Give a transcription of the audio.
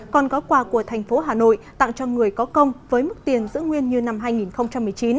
còn có quà của thành phố hà nội tặng cho người có công với mức tiền giữ nguyên như năm hai nghìn một mươi chín